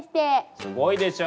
すごいでしょ。